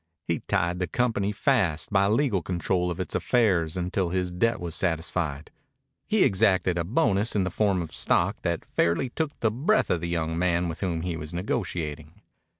He tied the company fast by legal control of its affairs until his debt was satisfied. He exacted a bonus in the form of stock that fairly took the breath of the young man with whom he was negotiating.